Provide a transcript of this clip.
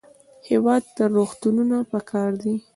هېواد ته روغتونونه پکار دي